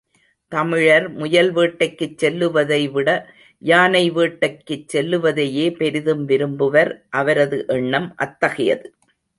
தமிழர் முயல் வேட்டைக்குச் செல்லுவதைவிட யானை வேட்டைக்குச் செல்லுவதையே பெரிதும் விரும்புவர் அவரது எண்ணம் அத்தகையது.